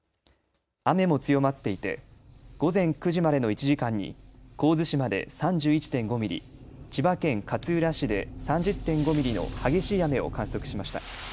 雨も強まっていて午前９時までの１時間に神津島で３１．５ミリ、千葉県勝浦市で３０．５ミリの激しい雨を観測しました。